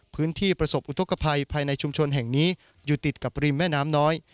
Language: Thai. พื้นที่ประสบอุทธกภัยภายในชุมชนแห่งนี้อยู่ติดกับริมแม่น้ำน้อย